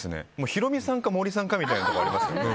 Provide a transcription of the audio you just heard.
ヒロミさんか森さんかみたいなところがありますね。